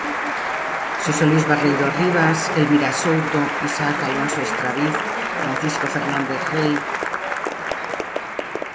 Xosé Luís Barreiro Rivas, Elvira Souto, Isaac Alonso Estraviz, Francisco Fernández Rei.